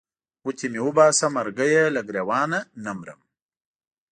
ګوتې مې وباسه مرګیه له ګرېوانه نه مرم.